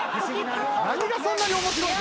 何がそんなに面白い。